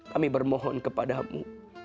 kami bermohon kepada mu